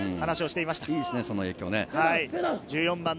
いいですね、その影響。